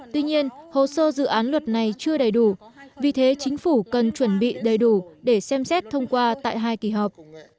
tuy nhiên hồ sơ dự án luật này chưa đầy đủ vì thế chính phủ cần chuẩn bị đầy đủ để xem xét thông qua tại hai kỳ họp